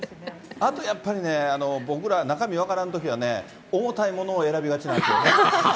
あとやっぱりね、僕ら中身分からんときはね、重たいものを選びがちなんですよね。